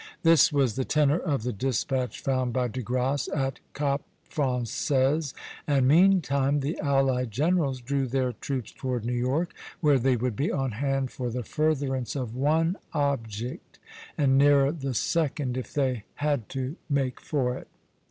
This was the tenor of the despatch found by De Grasse at Cap Français, and meantime the allied generals drew their troops toward New York, where they would be on hand for the furtherance of one object, and nearer the second if they had to make for it.